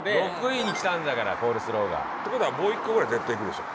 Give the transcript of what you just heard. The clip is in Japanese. ６位にきたんだからコールスローが。って事はもう一個ぐらい絶対いくでしょ。